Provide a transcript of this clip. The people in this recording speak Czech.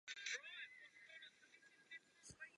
Nikdo nevyjádřil přání vystoupit.